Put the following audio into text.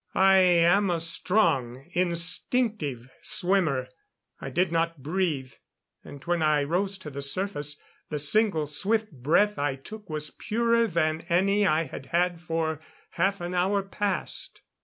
I am a strong, instinctive swimmer. I did not breathe, and when I rose to the surface, the single swift breath I took was purer than any I had had for half an hour past.